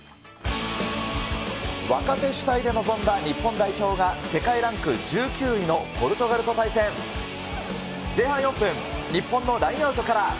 若手主体で臨んだ日本代表が世界ランク１９位のポルトガルと対戦。前半４分、日本のラインアウトから。